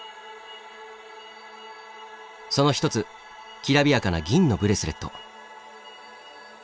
その一つきらびやかな銀のブレスレット。